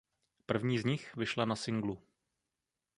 První z nich vyšla na singlu.